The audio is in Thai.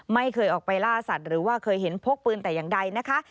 ไม่เคยออกไปล่าสัตว์หรือว่าเคยเห็นพกปืนแต่อย่างใดนะคะ